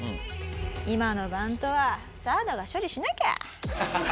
「今のバントはサードが処理しなきゃ」